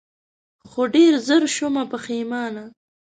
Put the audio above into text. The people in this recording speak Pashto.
خو ډېر زر شومه پښېمانه